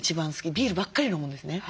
ビールばっかり飲むんですね。